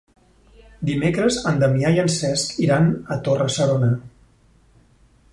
Dimecres en Damià i en Cesc iran a Torre-serona.